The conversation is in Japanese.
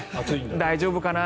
大丈夫かな？